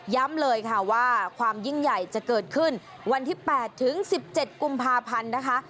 เลยค่ะว่าความยิ่งใหญ่จะเกิดขึ้นวันที่๘ถึง๑๗กุมภาพันธ์นะคะ